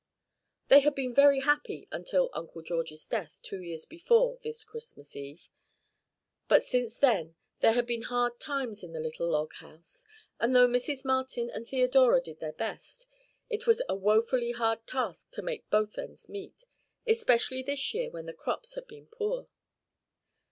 They had been very happy until Uncle George's death two years before this Christmas Eve; but since then there had been hard times in the little log house, and though Mrs. Martin and Theodora did their best, it was a woefully hard task to make both ends meet, especially this year when their crops had been poor.